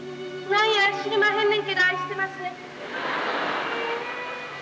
何や知りまへんねんけど愛してまっせ。